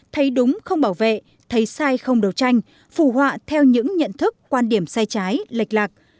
thấy đúng không bảo vệ thấy sai không đấu tranh phù họa theo những nhận thức quan điểm sai trái lệch lạc